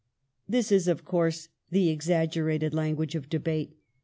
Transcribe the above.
This is, of course, the exaggerated language of debate.